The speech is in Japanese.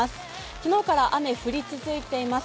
昨日から雨降り続いています。